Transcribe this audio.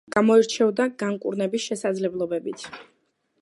გამოირჩეოდა განკურნების შესაძლებლობით.